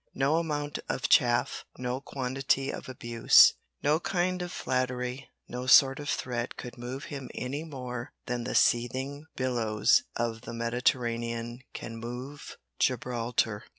No amount of chaff, no quantity of abuse, no kind of flattery, no sort of threat could move him any more than the seething billows of the Mediterranean can move Gibraltar.